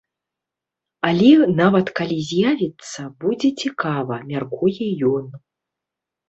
Але нават калі з'явяцца, будзе цікава, мяркуе ён.